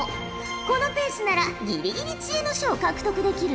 このペースならギリギリ知恵の書を獲得できるぞ。